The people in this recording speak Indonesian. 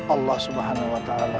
allah subhanahu wa ta'ala